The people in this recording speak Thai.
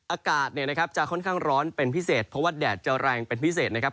อากาศจะค่อนข้างร้อนเป็นพิเศษเพราะว่าแดดจะแรงเป็นพิเศษนะครับ